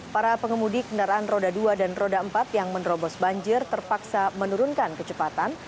para pengemudi kendaraan roda dua dan roda empat yang menerobos banjir terpaksa menurunkan kecepatan